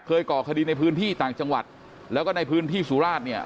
ก่อคดีในพื้นที่ต่างจังหวัดแล้วก็ในพื้นที่สุราชเนี่ย